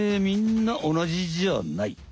みんなおなじじゃない。